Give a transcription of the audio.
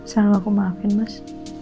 selalu aku maafin mas